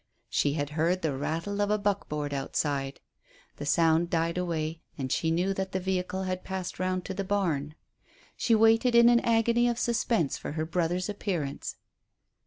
She had heard the rattle of a buckboard outside. The sound died away, and she knew that the vehicle had passed round to the barn. She waited in an agony of suspense for her brother's appearance.